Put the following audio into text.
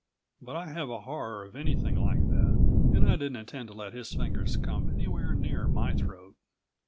But I have a horror of anything like that, and I didn't intend to let his fingers come anywhere near my throat.